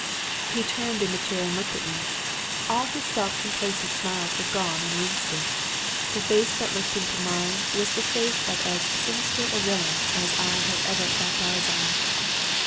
"He turned in the chair to look at me. All his self complacent smiles were gone in an instant. The face that looked into mine was the face of as sinister a villain as I have ever clapped eyes on.